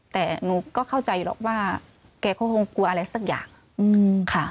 แต่หนูก็เข้าใจหรอกว่าแกก็คงกลัวอะไรสักอย่างค่ะ